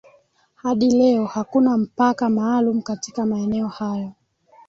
hadi leo hakuna mpaka maalum katika maeneo hayo